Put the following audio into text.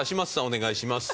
お願いします。